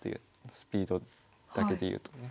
スピードだけでいうとね。